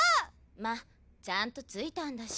まっちゃんと着いたんだし。